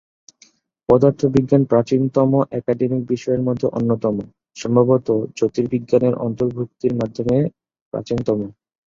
পদার্থবিজ্ঞান প্রাচীনতম একাডেমিক বিষয়ের মধ্যে অন্যতম, সম্ভবত জ্যোতির্বিজ্ঞানের অন্তর্ভুক্তির মাধ্যমে প্রাচীনতম।